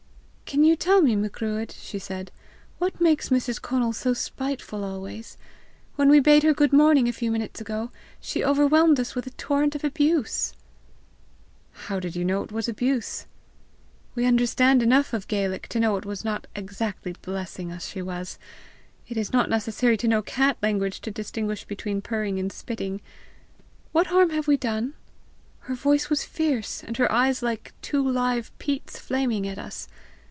"Can you tell me, Macruadh," she said, "what makes Mrs. Conal so spiteful always? When we bade her good morning a few minutes ago, she overwhelmed us with a torrent of abuse!" "How did you know it was abuse?" "We understand enough of Gaelic to know it was not exactly blessing us she was. It is not necessary to know cat language to distinguish between purring and spitting! What harm have we done? Her voice was fierce, and her eyes were like two live peats flaming at us!